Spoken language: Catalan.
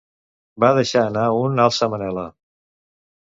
Va deixar anar un alça Manela!